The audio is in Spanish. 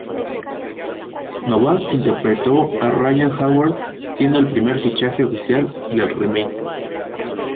Novak interpretó a Ryan Howard, siendo el primer fichaje oficial del remake.